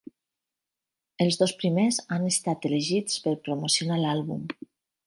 Els dos primers han estat elegits per promocionar l'àlbum.